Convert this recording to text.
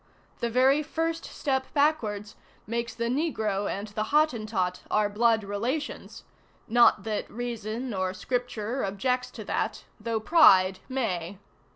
The very first step backwards makes the Negro and the Hottentot our blood relations; ŌĆö not that reason or Scripture objects to that, though pride may.